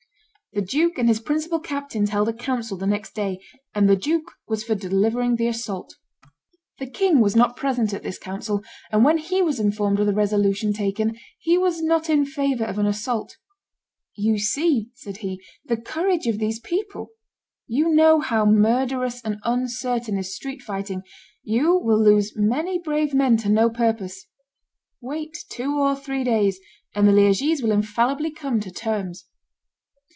The duke and his principal captains held a council the next day; and the duke was for delivering the assault. The king was not present at this council, and when he was informed of the resolution taken he was not in favor of an assault. "You see," said he, "the courage of these people; you know how murderous and uncertain is street fighting; you will lose many brave men to no purpose. Wait two or three days, and the Liegese will infallibly come to terms."